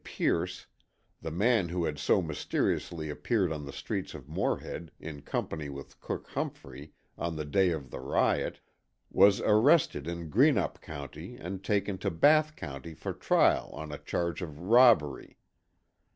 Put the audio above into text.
Pierce, the man who had so mysteriously appeared on the streets of Morehead in company with Cook Humphrey on the day of the riot, was arrested in Greenup County and taken to Bath County for trial on a charge of robbery.